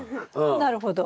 なるほど。